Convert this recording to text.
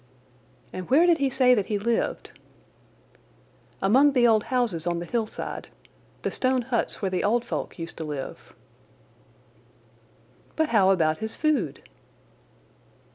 "And where did he say that he lived?" "Among the old houses on the hillside—the stone huts where the old folk used to live." "But how about his food?"